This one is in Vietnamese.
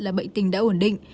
là bệnh tình đã ổn định